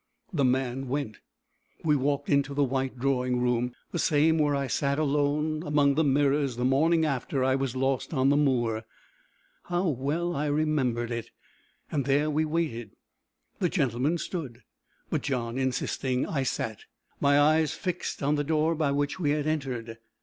The man went. We walked into the white drawing room, the same where I sat alone among the mirrors the morning after I was lost on the moor. How well I remembered it! There we waited. The gentlemen stood, but, John insisting, I sat my eyes fixed on the door by which we had entered.